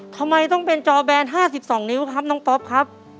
ทำไมต้องเป็นจอแบน๕๒นิ้วครับน้องป๊อปครับ